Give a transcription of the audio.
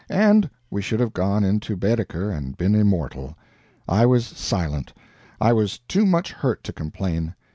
And we should have gone into Baedeker and been immortal. I was silent. I was too much hurt to complain.